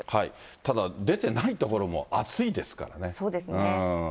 ただ、出てない所も暑いですからね。